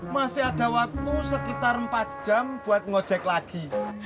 masih ada waktu sekitar empat jam buat ngejek lagi